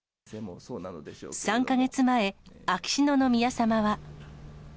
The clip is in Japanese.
３か月前、秋篠宮さまは。